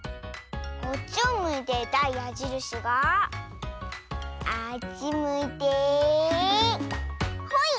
こっちをむいていたやじるしがあっちむいてほい！